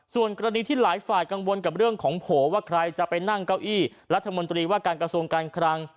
ส่วนกรณีที่หลายฝ่ายกังวลกับเรื่องของโผล่ว่าใครจะไปนั่งเก้าอี้รัฐมนตรีว่าการกระทรวงการคลัง